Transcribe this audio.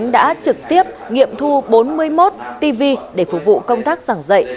đã trực tiếp nghiệm thu bốn mươi một tv để phục vụ công tác giảng dạy